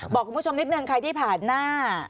บอกคุณผู้ชมนิดนึงใครที่ผ่านหน้า